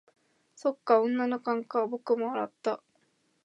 「そっか、女の勘か」僕も笑った。